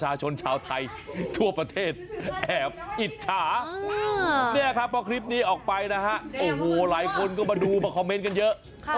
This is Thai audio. อิจฉาสิครับผมก็คนนึงที่อิจฉา